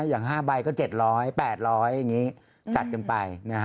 อย่าง๕ใบก็๗๐๐๘๐๐อย่างนี้จัดกันไป